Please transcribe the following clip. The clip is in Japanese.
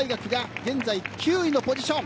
現在、９位のポジション。